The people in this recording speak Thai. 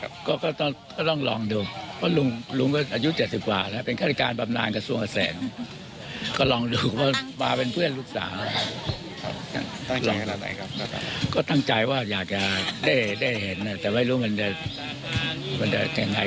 อันนี้มีโรคว่าจำตัวหรือว่าอะไรไหมครับ